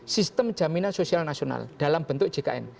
sistem jaminan sosial nasional dalam bentuk jkn